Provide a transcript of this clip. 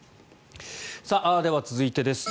では、続いてです。